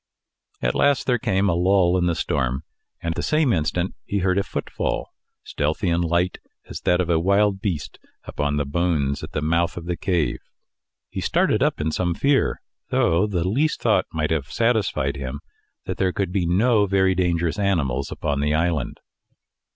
At last there came a lull in the storm, and the same instant he heard a footfall, stealthy and light as that of a wild beast, upon the bones at the mouth of the cave. He started up in some fear, though the least thought might have satisfied him that there could be no very dangerous animals upon the island.